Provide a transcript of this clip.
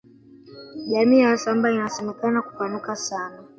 jamii ya wasambaa inasemekana kupanuka sana